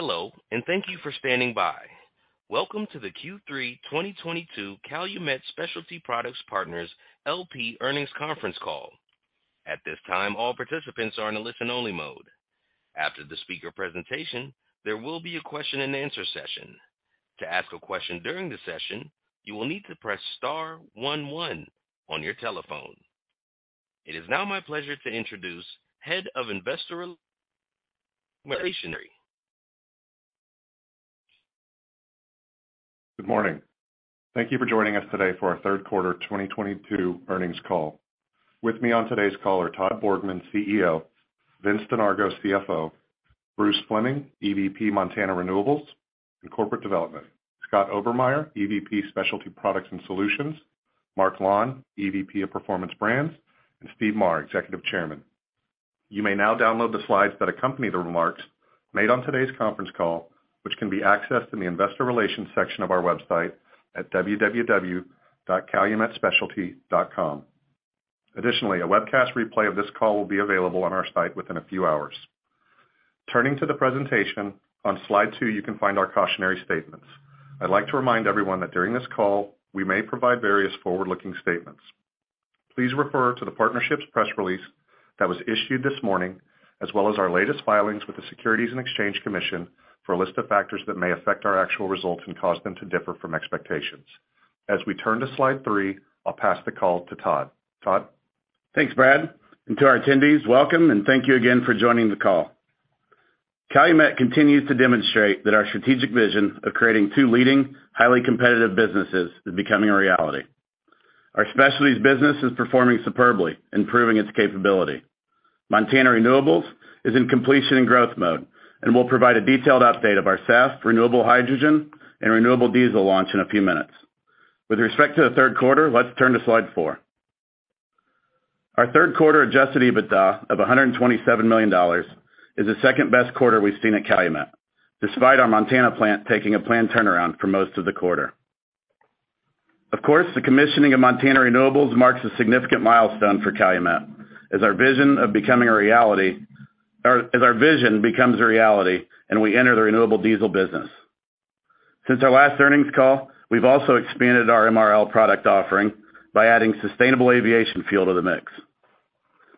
Hello, and thank you for standing by. Welcome to the Q3 2022 Calumet Specialty Products Partners, LP Earnings Conference Call. At this time, all participants are in a listen-only mode. After the speaker presentation, there will be a question and answer session. To ask a question during the session, you will need to press star one one on your telephone. It is now my pleasure to introduce Head of Investor Relations. Good morning. Thank you for joining us today for our third quarter 2022 earnings call. With me on today's call are Todd Borgmann, CEO, Vincent Donargo, CFO, Bruce Fleming, EVP, Montana Renewables, and Corporate Development, Scott Obermeier, EVP, Specialty Products and Solutions, Marc Lawn, EVP of Performance Brands, and Stephen Mawer, Executive Chairman. You may now download the slides that accompany the remarks made on today's conference call, which can be accessed in the investor relations section of our website at www.calumet.com. Additionally, a webcast replay of this call will be available on our site within a few hours. Turning to the presentation, on slide two, you can find our cautionary statements. I'd like to remind everyone that during this call, we may provide various forward-looking statements. Please refer to the partnership's press release that was issued this morning, as well as our latest filings with the Securities and Exchange Commission for a list of factors that may affect our actual results and cause them to differ from expectations. As we turn to slide three, I'll pass the call to Todd. Todd? Thanks, Brad. To our attendees, welcome, and thank you again for joining the call. Calumet continues to demonstrate that our strategic vision of creating two leading, highly competitive businesses is becoming a reality. Our specialties business is performing superbly and proving its capability. Montana Renewables is in completion and growth mode, and we'll provide a detailed update of our SAF renewable hydrogen and renewable diesel launch in a few minutes. With respect to the third quarter, let's turn to slide four. Our third quarter adjusted EBITDA of $127 million is the second-best quarter we've seen at Calumet, despite our Montana plant taking a planned turnaround for most of the quarter. Of course, the commissioning of Montana Renewables marks a significant milestone for Calumet as our vision becomes a reality, and we enter the renewable diesel business. Since our last earnings call, we've also expanded our MRL product offering by adding sustainable aviation fuel to the mix.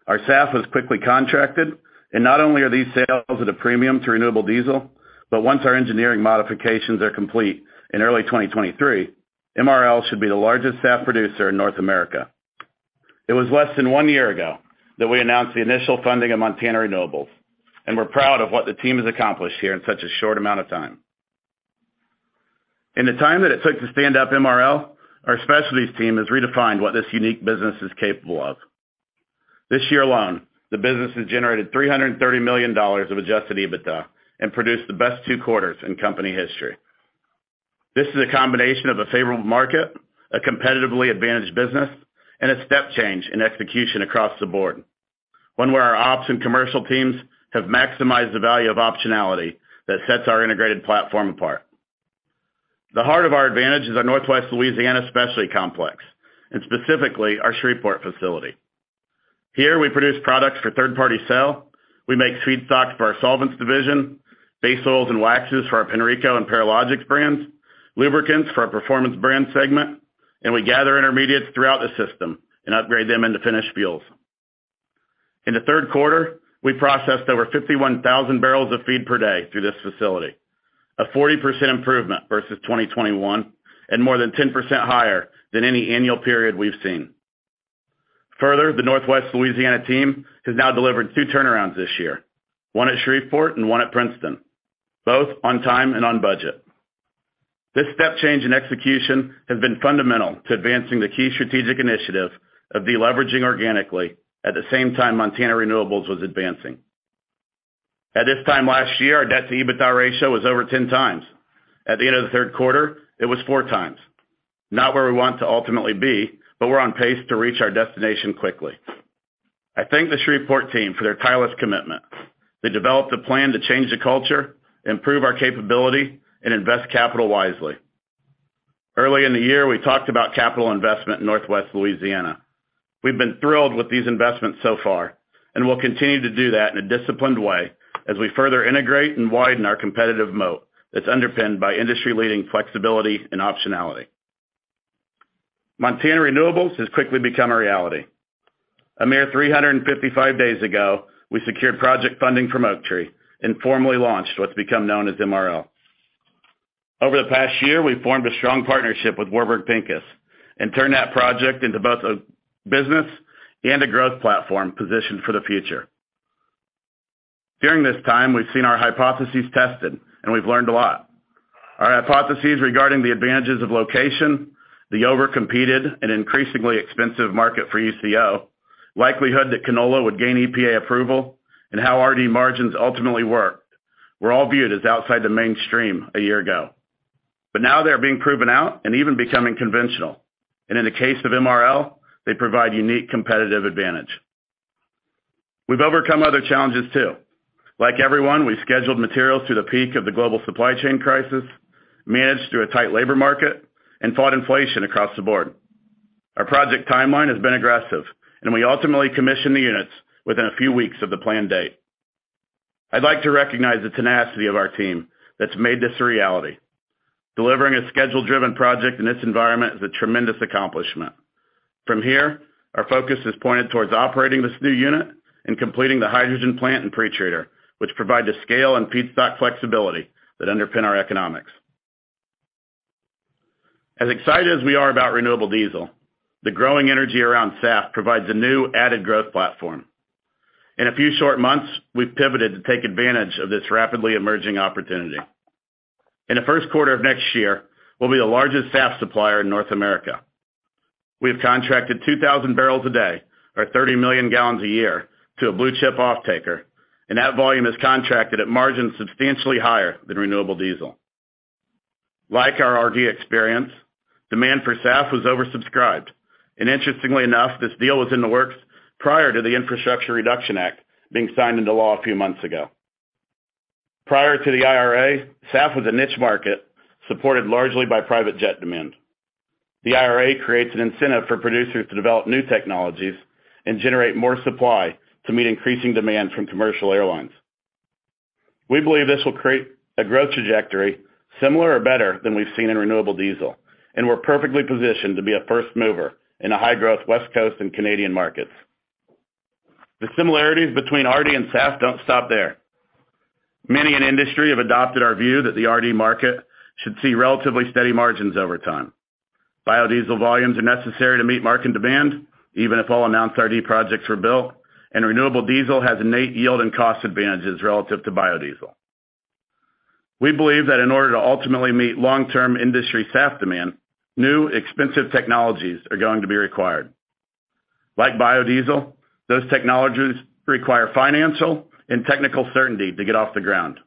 Our SAF was quickly contracted, and not only are these sales at a premium to renewable diesel, but once our engineering modifications are complete in early 2023, MRL should be the largest SAF producer in North America. It was less than one year ago that we announced the initial funding of Montana Renewables, and we're proud of what the team has accomplished here in such a short amount of time. In the time that it took to stand up MRL, our specialties team has redefined what this unique business is capable of. This year alone, the business has generated $330 million of adjusted EBITDA and produced the best two quarters in company history. This is a combination of a favorable market, a competitively advantaged business, and a step change in execution across the board, one where our ops and commercial teams have maximized the value of optionality that sets our integrated platform apart. The heart of our advantage is our Northwest Louisiana specialty complex, and specifically, our Shreveport facility. Here, we produce products for third-party sale. We make feedstocks for our solvents division, base oils and waxes for our Penreco and Paralogics brands, lubricants for our Performance Brands segment, and we gather intermediates throughout the system and upgrade them into finished fuels. In the third quarter, we processed over 51,000 bbl of feed per day through this facility, a 40% improvement versus 2021 and more than 10% higher than any annual period we've seen. Further, the Northwest Louisiana team has now delivered two turnarounds this year, one at Shreveport and one at Princeton, both on time and on budget. This step change in execution has been fundamental to advancing the key strategic initiative of deleveraging organically at the same time Montana Renewables was advancing. At this time last year, our debt-to-EBITDA ratio was over ten times. At the end of the third quarter, it was four times. Not where we want to ultimately be, but we're on pace to reach our destination quickly. I thank the Shreveport team for their tireless commitment. They developed a plan to change the culture, improve our capability, and invest capital wisely. Early in the year, we talked about capital investment in Northwest Louisiana. We've been thrilled with these investments so far, and we'll continue to do that in a disciplined way as we further integrate and widen our competitive moat that's underpinned by industry-leading flexibility and optionality. Montana Renewables has quickly become a reality. A mere 355 days ago, we secured project funding from Oaktree and formally launched what's become known as MRL. Over the past year, we formed a strong partnership with Warburg Pincus and turned that project into both a business and a growth platform positioned for the future. During this time, we've seen our hypotheses tested, and we've learned a lot. Our hypotheses regarding the advantages of location, the overcompeted and increasingly expensive market for UCO, likelihood that canola would gain EPA approval, and how RD margins ultimately work were all viewed as outside the mainstream a year ago. Now they're being proven out and even becoming conventional. In the case of MRL, they provide unique competitive advantage. We've overcome other challenges too. Like everyone, we scheduled materials through the peak of the global supply chain crisis, managed through a tight labor market, and fought inflation across the board. Our project timeline has been aggressive, and we ultimately commissioned the units within a few weeks of the planned date. I'd like to recognize the tenacity of our team that's made this a reality. Delivering a schedule-driven project in this environment is a tremendous accomplishment. From here, our focus is pointed towards operating this new unit and completing the hydrogen plant and pretreater, which provide the scale and feedstock flexibility that underpin our economics. As excited as we are about renewable diesel, the growing energy around SAF provides a new added growth platform. In a few short months, we've pivoted to take advantage of this rapidly emerging opportunity. In the first quarter of next year, we'll be the largest SAF supplier in North America. We have contracted 2,000 bbl a day or 30 million gal a year to a blue-chip offtaker, and that volume is contracted at margins substantially higher than renewable diesel. Like our RD experience, demand for SAF was oversubscribed, and interestingly enough, this deal was in the works prior to the Inflation Reduction Act being signed into law a few months ago. Prior to the IRA, SAF was a niche market supported largely by private jet demand. The IRA creates an incentive for producers to develop new technologies and generate more supply to meet increasing demand from commercial airlines. We believe this will create a growth trajectory similar or better than we've seen in renewable diesel, and we're perfectly positioned to be a first mover in the high-growth West Coast and Canadian markets. The similarities between RD and SAF don't stop there. Many in industry have adopted our view that the RD market should see relatively steady margins over time. Biodiesel volumes are necessary to meet market demand, even if all announced RD projects were built, and renewable diesel has innate yield and cost advantages relative to biodiesel. We believe that in order to ultimately meet long-term industry SAF demand, new expensive technologies are going to be required. Like biodiesel, those technologies require financial and technical certainty to get off the ground.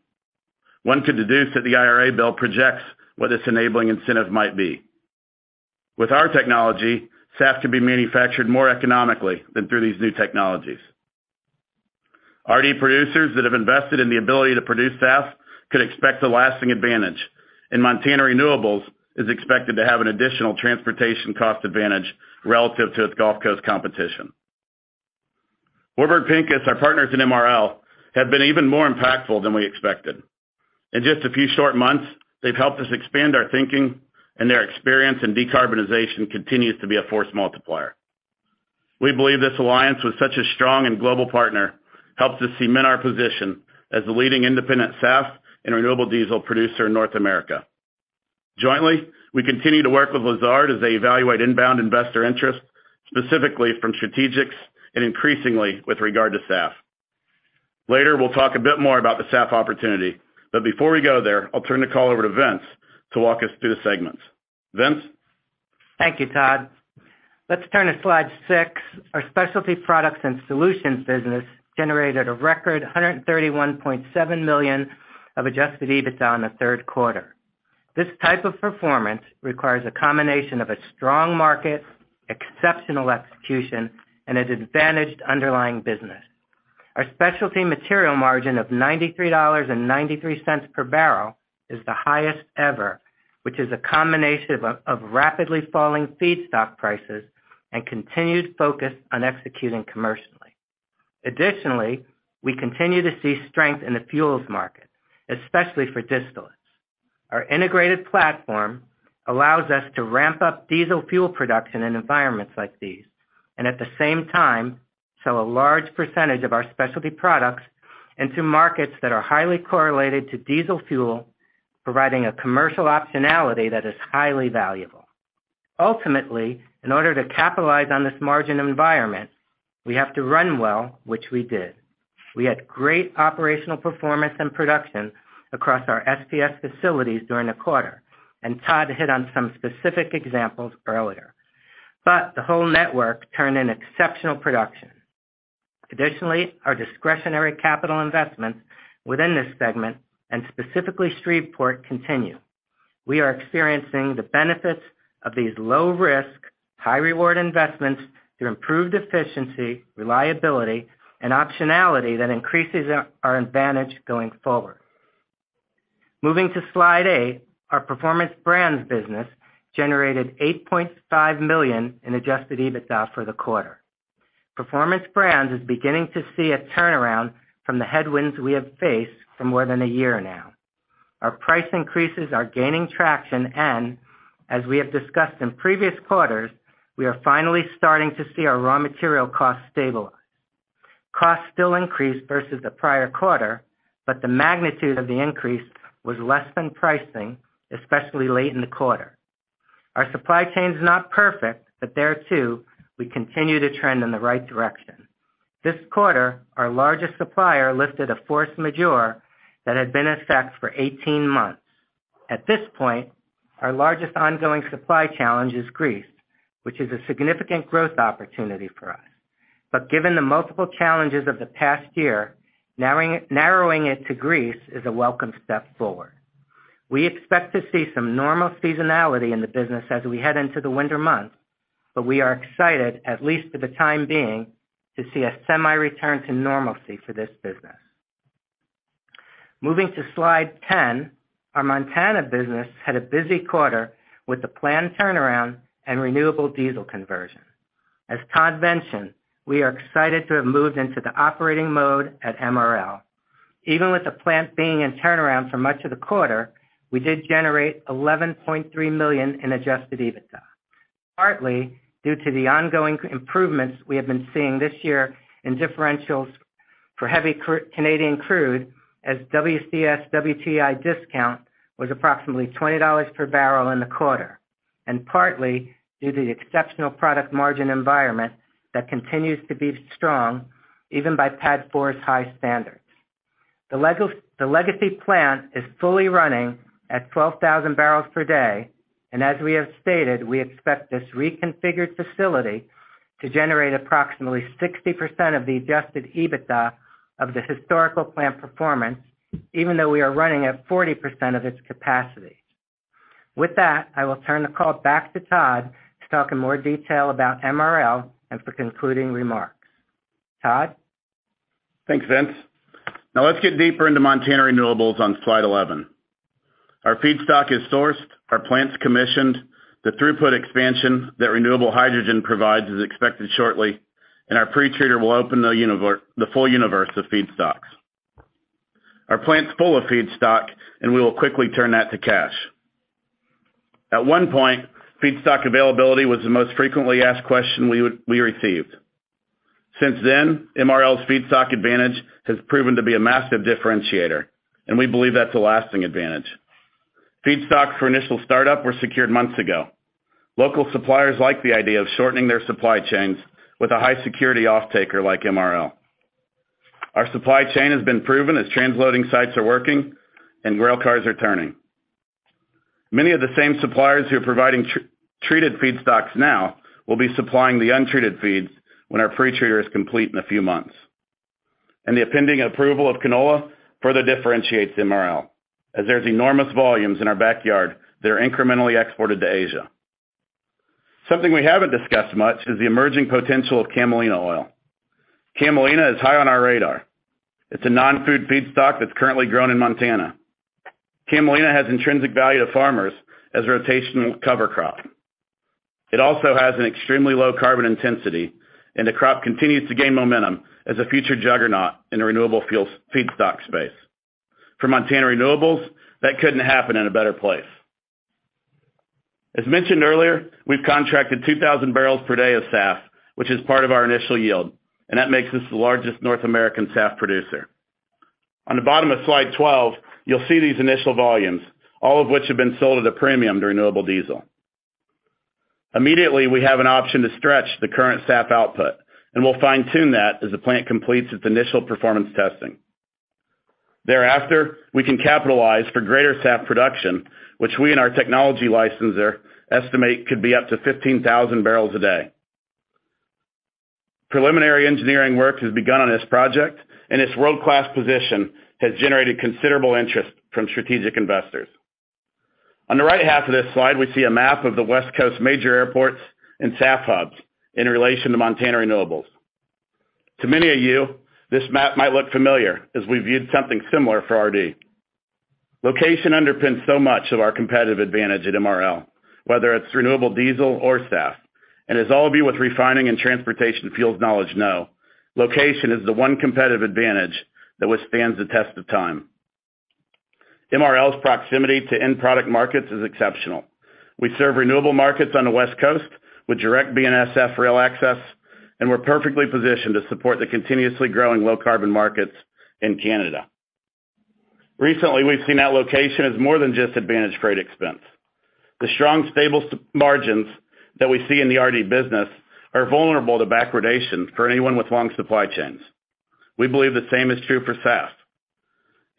One could deduce that the IRA bill projects what its enabling incentive might be. With our technology, SAF could be manufactured more economically than through these new technologies. RD producers that have invested in the ability to produce SAF could expect a lasting advantage, and Montana Renewables is expected to have an additional transportation cost advantage relative to its Gulf Coast competition. Warburg Pincus, our partners in MRL, have been even more impactful than we expected. In just a few short months, they've helped us expand our thinking, and their experience in decarbonization continues to be a force multiplier. We believe this alliance with such a strong and global partner helps us cement our position as the leading independent SAF and renewable diesel producer in North America. Jointly, we continue to work with Lazard as they evaluate inbound investor interest, specifically from strategics and increasingly with regard to SAF. Later, we'll talk a bit more about the SAF opportunity. Before we go there, I'll turn the call over to Vince to walk us through the segments. Vince? Thank you, Todd. Let's turn to slide six. Our Specialty Products and Solutions business generated a record $131.7 million of adjusted EBITDA in the third quarter. This type of performance requires a combination of a strong market, exceptional execution, and an advantaged underlying business. Our specialty material margin of $93.93 per bbl is the highest ever, which is a combination of rapidly falling feedstock prices and continued focus on executing commercially. Additionally, we continue to see strength in the fuels market, especially for distillates. Our integrated platform allows us to ramp up diesel fuel production in environments like these, and at the same time, sell a large percentage of our specialty products into markets that are highly correlated to diesel fuel, providing a commercial optionality that is highly valuable. Ultimately, in order to capitalize on this margin environment, we have to run well, which we did. We had great operational performance and production across our SPS facilities during the quarter, and Todd hit on some specific examples earlier. The whole network turned in exceptional production. Additionally, our discretionary capital investments within this segment, and specifically Shreveport, continue. We are experiencing the benefits of these low-risk, high-reward investments through improved efficiency, reliability, and optionality that increases our advantage going forward. Moving to slide eight, our Performance Brands business generated $8.5 million in adjusted EBITDA for the quarter. Performance Brands is beginning to see a turnaround from the headwinds we have faced for more than a year now. Our price increases are gaining traction, and as we have discussed in previous quarters, we are finally starting to see our raw material costs stabilize. Costs still increased versus the prior quarter, but the magnitude of the increase was less than pricing, especially late in the quarter. Our supply chain is not perfect, but there too, we continue to trend in the right direction. This quarter, our largest supplier lifted a force majeure that had been in effect for 18 months. At this point, our largest ongoing supply challenge is grease, which is a significant growth opportunity for us. Given the multiple challenges of the past year, narrowing it to grease is a welcome step forward. We expect to see some normal seasonality in the business as we head into the winter months, but we are excited, at least for the time being, to see a semi-return to normalcy for this business. Moving to slide 10, our Montana business had a busy quarter with the planned turnaround and renewable diesel conversion. As Todd mentioned, we are excited to have moved into the operating mode at MRL. Even with the plant being in turnaround for much of the quarter, we did generate $11.3 million in adjusted EBITDA, partly due to the ongoing improvements we have been seeing this year in differentials for heavy Canadian crude as WCS WTI discount was approximately $20 per bbl in the quarter, and partly due to the exceptional product margin environment that continues to be strong even by PADD 4's high standards. The legacy plant is fully running at 12,000 bbl per day, and as we have stated, we expect this reconfigured facility to generate approximately 60% of the adjusted EBITDA of the historical plant performance, even though we are running at 40% of its capacity. With that, I will turn the call back to Todd to talk in more detail about MRL and for concluding remarks. Todd? Thanks, Vince. Now let's get deeper into Montana Renewables on slide 11. Our feedstock is sourced, our plant's commissioned, the throughput expansion that renewable hydrogen provides is expected shortly, and our pre-treater will open the full universe of feedstocks. Our plant's full of feedstock, and we will quickly turn that to cash. At one point, feedstock availability was the most frequently asked question we received. Since then, MRL's feedstock advantage has proven to be a massive differentiator, and we believe that's a lasting advantage. Feedstocks for initial startup were secured months ago. Local suppliers like the idea of shortening their supply chains with a high-security offtaker like MRL. Our supply chain has been proven as transloading sites are working and rail cars are turning. Many of the same suppliers who are providing treated feedstocks now will be supplying the untreated feeds when our pre-treater is complete in a few months. The pending approval of canola further differentiates MRL, as there's enormous volumes in our backyard that are incrementally exported to Asia. Something we haven't discussed much is the emerging potential of camelina oil. Camelina is high on our radar. It's a non-food feedstock that's currently grown in Montana. Camelina has intrinsic value to farmers as a rotational cover crop. It also has an extremely low carbon intensity, and the crop continues to gain momentum as a future juggernaut in the renewable fuels feedstock space. For Montana Renewables, that couldn't happen in a better place. As mentioned earlier, we've contracted 2,000 bbl per day of SAF, which is part of our initial yield, and that makes us the largest North American SAF producer. On the bottom of slide 12, you'll see these initial volumes, all of which have been sold at a premium to renewable diesel. Immediately, we have an option to stretch the current SAF output, and we'll fine-tune that as the plant completes its initial performance testing. Thereafter, we can capitalize for greater SAF production, which we and our technology licensor estimate could be up to 15,000 bbl a day. Preliminary engineering work has begun on this project, and its world-class position has generated considerable interest from strategic investors. On the right half of this slide, we see a map of the West Coast major airports and SAF hubs in relation to Montana Renewables. To many of you, this map might look familiar as we viewed something similar for RD. Location underpins so much of our competitive advantage at MRL, whether it's renewable diesel or SAF. As all of you with refining and transportation fuels knowledge know, location is the one competitive advantage that withstands the test of time. MRL's proximity to end product markets is exceptional. We serve renewable markets on the West Coast with direct BNSF rail access, and we're perfectly positioned to support the continuously growing low-carbon markets in Canada. Recently, we've seen that location as more than just an advantage in freight expense. The strong, stable spread margins that we see in the RD business are vulnerable to backwardation for anyone with long supply chains. We believe the same is true for SAF.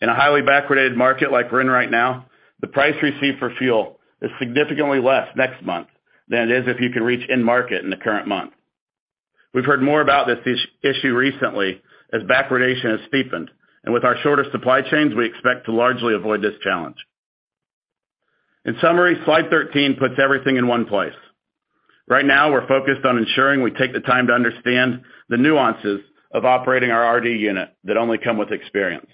In a highly backwardated market like we're in right now, the price received for fuel is significantly less next month than it is if you can reach end market in the current month. We've heard more about this issue recently as backwardation has steepened, and with our shorter supply chains, we expect to largely avoid this challenge. In summary, slide 13 puts everything in one place. Right now, we're focused on ensuring we take the time to understand the nuances of operating our RD unit that only come with experience.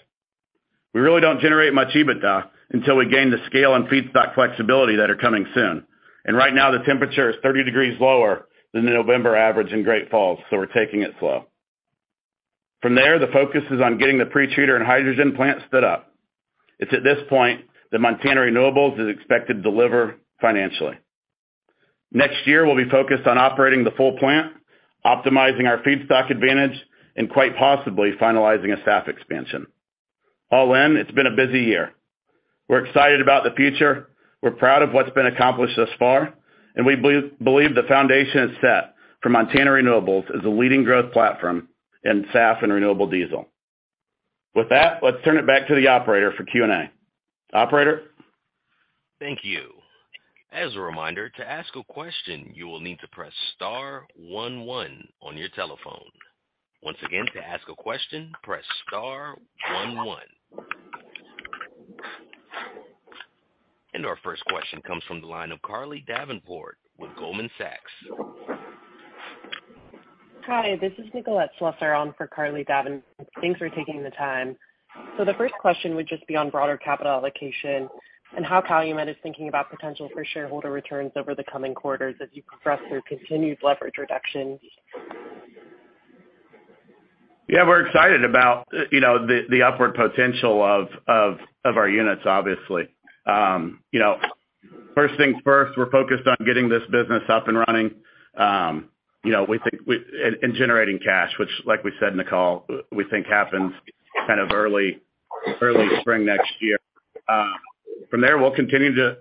We really don't generate much EBITDA until we gain the scale and feedstock flexibility that are coming soon. Right now, the temperature is 30 degrees lower than the November average in Great Falls, so we're taking it slow. From there, the focus is on getting the pre-treater and hydrogen plant stood up. It's at this point that Montana Renewables is expected to deliver financially. Next year, we'll be focused on operating the full plant, optimizing our feedstock advantage, and quite possibly finalizing a SAF expansion. All in, it's been a busy year. We're excited about the future. We're proud of what's been accomplished thus far, and we believe the foundation is set for Montana Renewables as a leading growth platform in SAF and renewable diesel. With that, let's turn it back to the operator for Q&A. Operator? Thank you. As a reminder, to ask a question, you will need to press star one one on your telephone. Once again, to ask a question, press star one one. Our first question comes from the line of Carly Davenport with Goldman Sachs. Hi, this is Nicolette Slusser on for Carly Davenport. Thanks for taking the time. The first question would just be on broader capital allocation and how Calumet is thinking about potential for shareholder returns over the coming quarters as you progress through continued leverage reduction. Yeah, we're excited about, you know, the upward potential of our units, obviously. You know, first things first, we're focused on getting this business up and running and generating cash, which, like we said in the call, we think happens kind of early spring next year. From there, we'll continue to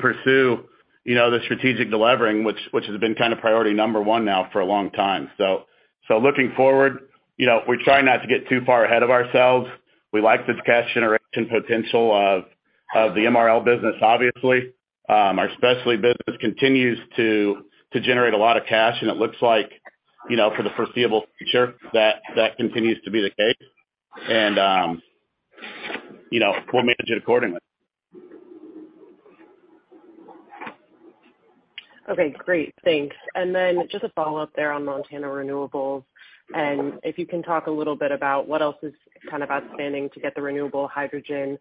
pursue the strategic delevering, which has been kind of priority number one now for a long time. Looking forward, you know, we try not to get too far ahead of ourselves. We like the cash generation potential of the MRL business, obviously. Our specialty business continues to generate a lot of cash, and it looks like, you know, for the foreseeable future that that continues to be the case. You know, we'll manage it accordingly. Okay, great. Thanks. Then just a follow-up there on Montana Renewables, and if you can talk a little bit about what else is kind of outstanding to get the renewable hydrogen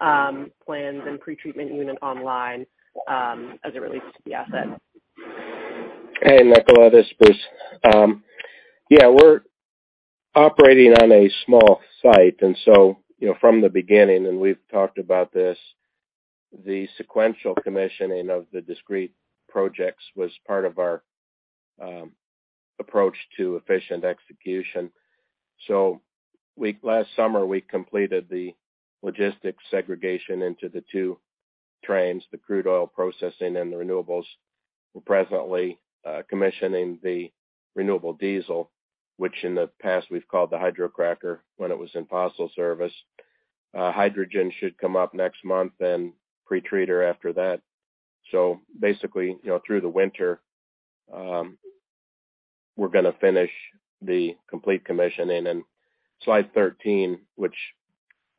plant and pretreatment unit online, as it relates to the asset. Hey, Nicolette, this is Bruce. Yeah, we're operating on a small site. You know, from the beginning, and we've talked about this, the sequential commissioning of the discrete projects was part of our approach to efficient execution. Last summer, we completed the logistics segregation into the two trains, the crude oil processing and the renewables. We're presently commissioning the renewable diesel, which in the past we've called the hydrocracker when it was in fossil service. Hydrogen should come up next month and pretreater after that. Basically, you know, through the winter, we're gonna finish the complete commissioning. Slide 13,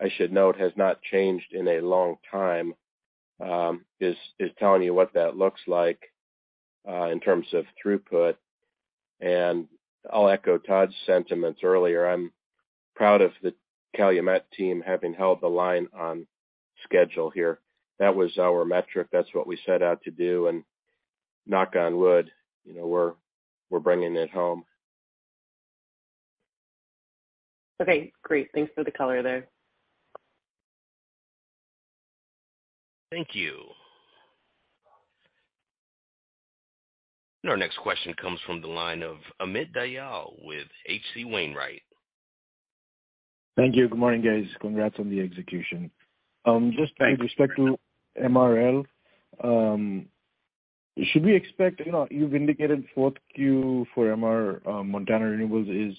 which I should note has not changed in a long time, is telling you what that looks like in terms of throughput. I'll echo Todd's sentiments earlier. I'm proud of the Calumet team having held the line on schedule here. That was our metric. That's what we set out to do, and knock on wood, you know, we're bringing it home. Okay, great. Thanks for the color there. Thank you. Our next question comes from the line of Amit Dayal with H.C. Wainwright. Thank you. Good morning, guys. Congrats on the execution. Just with respect to MRL, should we expect? You know, you've indicated fourth Q for MRL, Montana Renewables is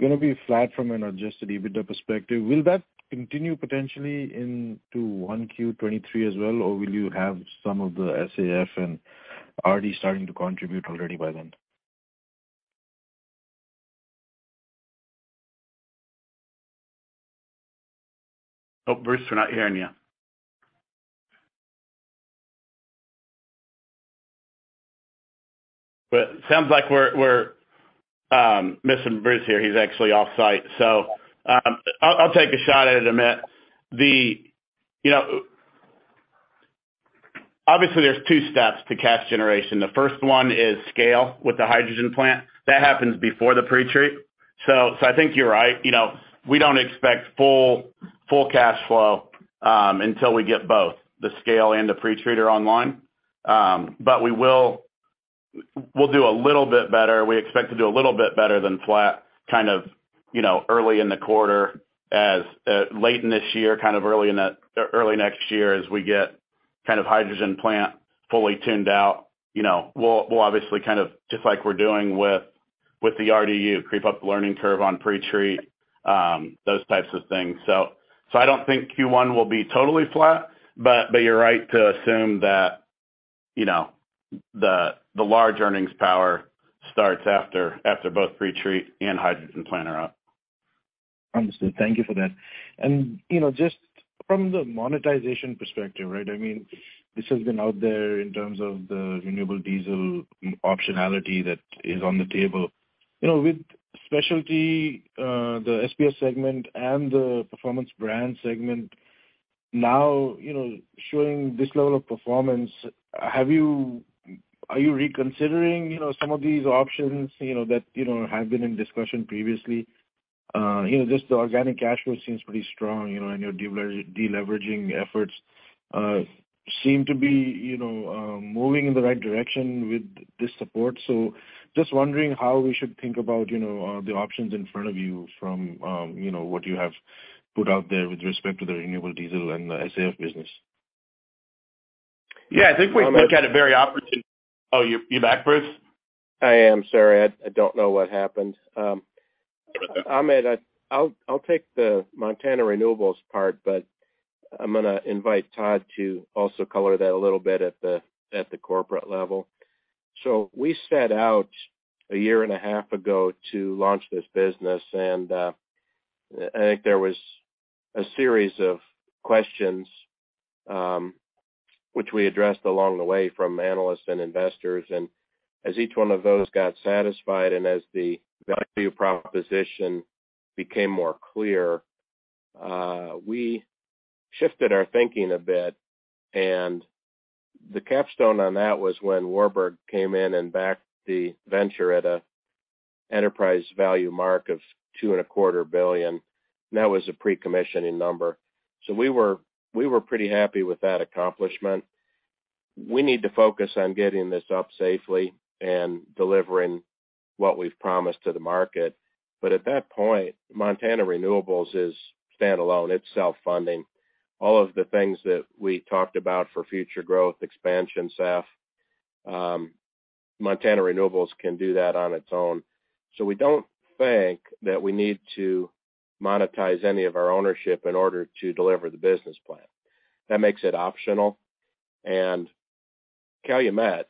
gonna be flat from an adjusted EBITDA perspective. Will that continue potentially into 1Q 2023 as well, or will you have some of the SAF and RD starting to contribute already by then? Oh, Bruce, we're not hearing you. Sounds like we're missing Bruce here. He's actually off-site. I'll take a shot at it, Amit. You know, obviously there's two steps to cash generation. The first one is scale with the hydrogen plant. That happens before the pretreat. I think you're right. You know, we don't expect full cash flow until we get both the scale and the pretreater online. We'll do a little bit better. We expect to do a little bit better than flat kind of, you know, early in the quarter as late in this year, kind of early next year as we get kind of hydrogen plant fully tuned out. You know, we'll obviously kind of just like we're doing with the RD, creep up the learning curve on pretreat, those types of things. I don't think Q1 will be totally flat, but you're right to assume that, you know, the large earnings power starts after both pretreat and hydrogen plant are up. Understood. Thank you for that. You know, just from the monetization perspective, right? I mean, this has been out there in terms of the renewable diesel optionality that is on the table. You know, with specialty, the SPS segment and the Performance Brands segment now, you know, showing this level of performance, are you reconsidering, you know, some of these options, you know, that, you know, have been in discussion previously? You know, just the organic cash flow seems pretty strong, you know, and your deleveraging efforts seem to be, you know, moving in the right direction with this support. Just wondering how we should think about, you know, the options in front of you from, you know, what you have put out there with respect to the renewable diesel and the SAF business. Oh, you're back, Bruce? I am. Sorry, I don't know what happened. Amit, I'll take the Montana Renewables part, but I'm gonna invite Todd to also color that a little bit at the corporate level. We set out a year and a half ago to launch this business and I think there was a series of questions, which we addressed along the way from analysts and investors. As each one of those got satisfied and as the value proposition became more clear, we shifted our thinking a bit. The capstone on that was when Warburg Pincus came in and backed the venture at an enterprise value mark of $2.25 billion. That was a pre-commissioning number. We were pretty happy with that accomplishment. We need to focus on getting this up safely and delivering what we've promised to the market. At that point, Montana Renewables is standalone. It's self-funding. All of the things that we talked about for future growth, expansion, SAF, Montana Renewables can do that on its own. We don't think that we need to monetize any of our ownership in order to deliver the business plan. That makes it optional. Calumet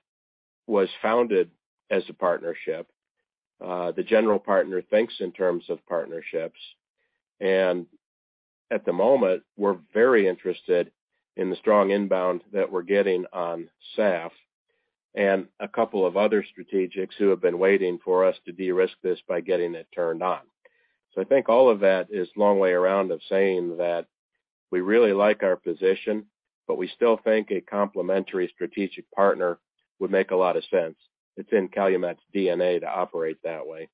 was founded as a partnership. The general partner thinks in terms of partnerships. At the moment, we're very interested in the strong inbound that we're getting on SAF and a couple of other strategics who have been waiting for us to de-risk this by getting it turned on. I think all of that is a long way around to saying that we really like our position, but we still think a complementary strategic partner would make a lot of sense. It's in Calumet's DNA to operate that way.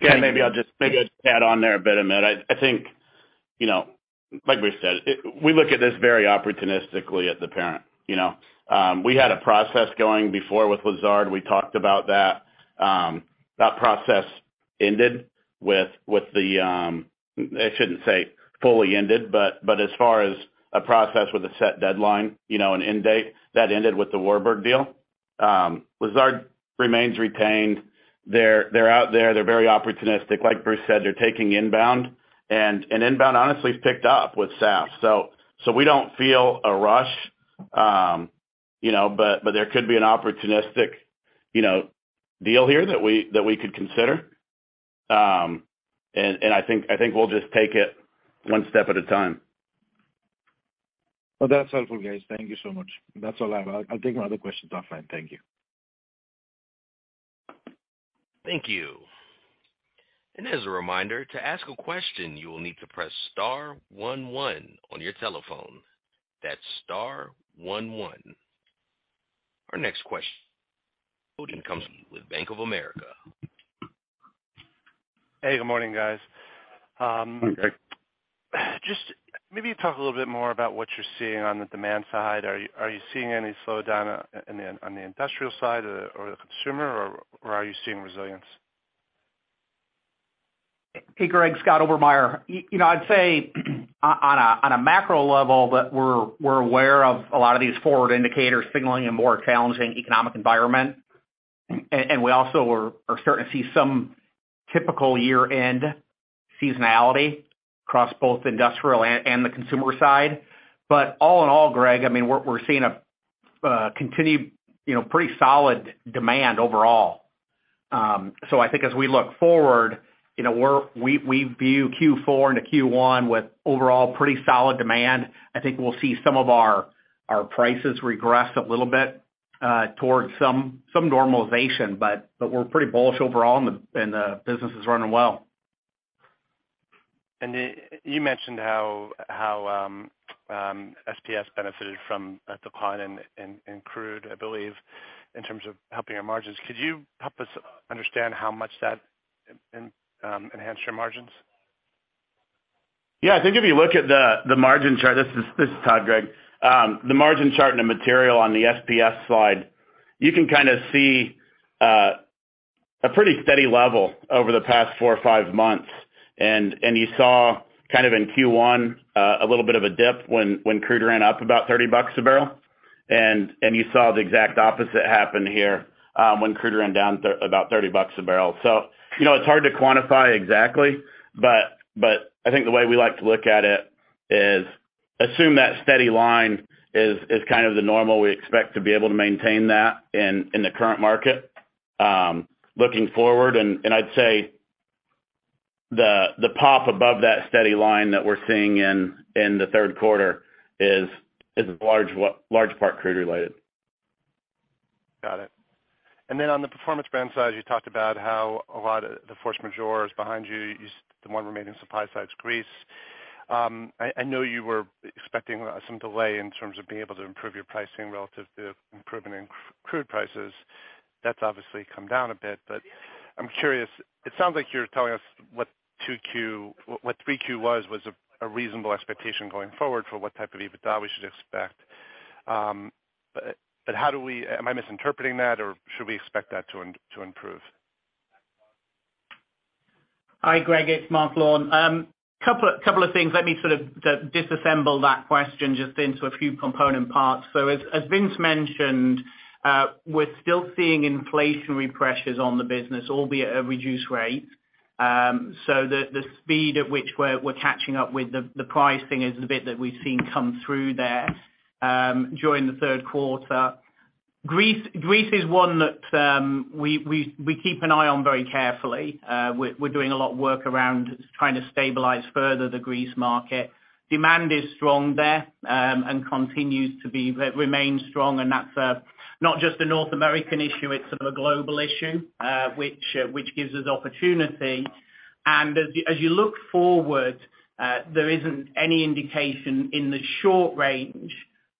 Yeah, maybe I'll add on there a bit, Amit. I think, you know, like we said, we look at this very opportunistically as the parent, you know? We had a process going before with Lazard. We talked about that. I shouldn't say fully ended, but as far as a process with a set deadline, you know, an end date, that ended with the Warburg Pincus deal. Lazard remains retained. They're out there. They're very opportunistic. Like Bruce said, they're taking inbound. Inbound honestly has picked up with SAF. We don't feel a rush, you know, but there could be an opportunistic, you know, deal here that we could consider. I think we'll just take it one step at a time. Well, that's helpful, guys. Thank you so much. That's all I have. I'll take my other questions offline. Thank you. Thank you. As a reminder, to ask a question, you will need to press star one one on your telephone. That's star one one. Our next question comes with Bank of America. Hey, good morning, guys. Morning, Greg. Just maybe talk a little bit more about what you're seeing on the demand side. Are you seeing any slowdown on the industrial side or the consumer, or are you seeing resilience? Hey, Greg, Scott Obermeier. You know, I'd say on a macro level that we're aware of a lot of these forward indicators signaling a more challenging economic environment. We also are starting to see some typical year-end seasonality across both industrial and the consumer side. All in all, Greg, I mean, we're seeing a continued, you know, pretty solid demand overall. I think as we look forward, you know, we view Q4 into Q1 with overall pretty solid demand. I think we'll see some of our prices regress a little bit towards some normalization, but we're pretty bullish overall, and the business is running well. You mentioned how SPS benefited from the decline in crude, I believe, in terms of helping your margins. Could you help us understand how much that enhanced your margins? Yeah. I think if you look at the margin chart. This is Todd, Greg. The margin chart and the material on the SPS slide, you can kind of see a pretty steady level over the past four or five months. You saw kind of in Q1 a little bit of a dip when crude ran up about $30 a bbl. You saw the exact opposite happen here when crude ran down about $30 a bbl. You know, it's hard to quantify exactly, but I think the way we like to look at it is assume that steady line is kind of the normal. We expect to be able to maintain that in the current market looking forward. I'd say the pop above that steady line that we're seeing in the third quarter is large part crude related. Got it. Then on the Performance Brands side, you talked about how a lot of the force majeure is behind you. The one remaining supply side is grease. I know you were expecting some delay in terms of being able to improve your pricing relative to improvement in crude prices. That's obviously come down a bit, but I'm curious. It sounds like you're telling us what 3Q was a reasonable expectation going forward for what type of EBITDA we should expect. But how do we. Am I misinterpreting that, or should we expect that to improve? Hi, Greg. It's Marc Lawn. Couple of things. Let me sort of disassemble that question just into a few component parts. As Vince mentioned, we're still seeing inflationary pressures on the business, albeit at a reduced rate. The speed at which we're catching up with the pricing is the bit that we've seen come through there during the third quarter. Grease is one that we keep an eye on very carefully. We're doing a lot of work around trying to stabilize further the grease market. Demand is strong there and continues to be. It remains strong, and that's not just a North American issue, it's a global issue, which gives us opportunity. As you look forward, there isn't any indication in the short range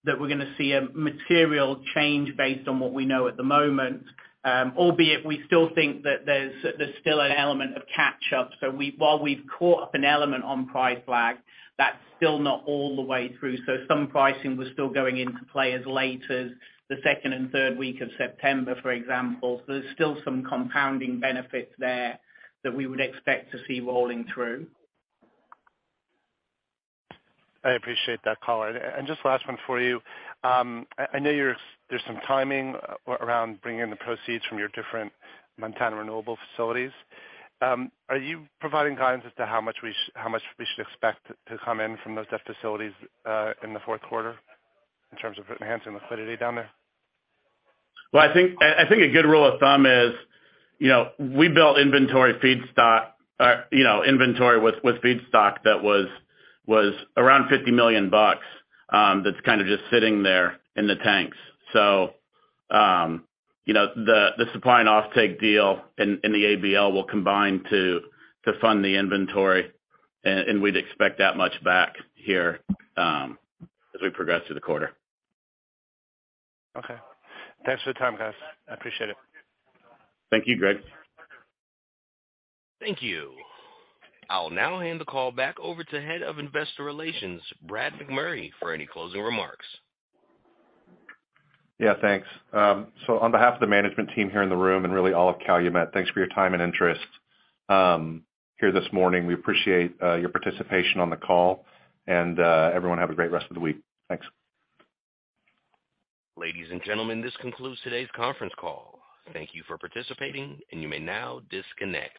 that we're gonna see a material change based on what we know at the moment. Albeit we still think that there's still an element of catch up. While we've caught up an element on price lag, that's still not all the way through. Some pricing was still going into play as late as the second and third week of September, for example. There's still some compounding benefits there that we would expect to see rolling through. I appreciate that color. Just last one for you. I know there's some timing around bringing the proceeds from your different Montana Renewables facilities. Are you providing guidance as to how much we should expect to come in from those facilities in the fourth quarter in terms of enhancing liquidity down there? Well, I think a good rule of thumb is, you know, we built inventory with feedstock that was around $50 million, that's kind of just sitting there in the tanks. The supply and off-take deal in the ABL will combine to fund the inventory, and we'd expect that much back here as we progress through the quarter. Okay. Thanks for the time, guys. I appreciate it. Thank you, Greg. Thank you. I'll now hand the call back over to Head of Investor Relations, Brad McMurray, for any closing remarks. Yeah, thanks. On behalf of the management team here in the room and really all of Calumet, thanks for your time and interest here this morning. We appreciate your participation on the call and everyone have a great rest of the week. Thanks. Ladies and gentlemen, this concludes today's conference call. Thank you for participating, and you may now disconnect.